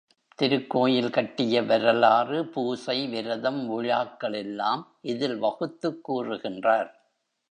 திருக்கோயில் கட்டிய வரலாறு, பூசை, விரதம், விழாக்கள் எல்லாம் இதில் வகுத்துக் கூறுகின்றார்.